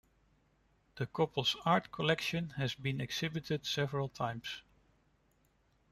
The couple's art collection has been exhibited several times.